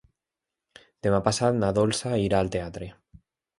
Demà passat na Dolça irà al teatre.